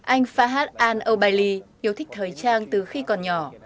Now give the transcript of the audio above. anh fahad al obaili yêu thích thời trang từ khi còn nhỏ